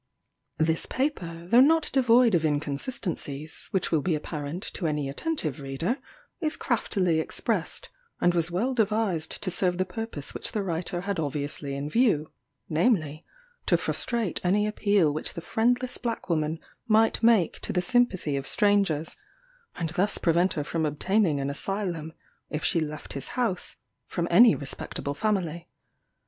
This paper, though not devoid of inconsistencies, which will be apparent to any attentive reader, is craftily expressed; and was well devised to serve the purpose which the writer had obviously in view, namely, to frustrate any appeal which the friendless black woman might make to the sympathy of strangers, and thus prevent her from obtaining an asylum, if she left his house, from any respectable family.